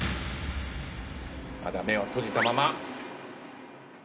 まだ目は閉じたまま。